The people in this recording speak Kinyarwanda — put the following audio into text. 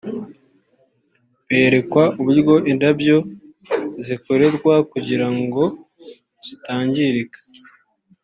berekwa uburyo indabyo zikorerwa kugira ngo zitangirika